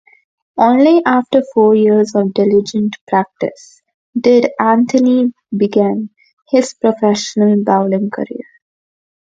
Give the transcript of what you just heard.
Only after four years of diligent practice did Anthony began his professional bowling career.